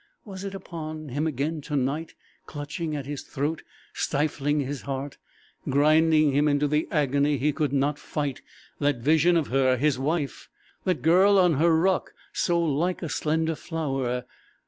Was it upon him again to night, clutching at his throat, stifling his heart, grinding him into the agony he could not fight that vision of her his wife? That girl on her rock, so like a slender flower!